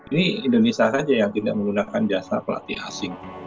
ini indonesia saja yang tidak menggunakan jasa pelatih asing